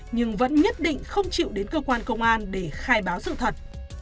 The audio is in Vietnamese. nhưng vẫn nhất định không chịu đến cơ quan công an để khai báo sự thật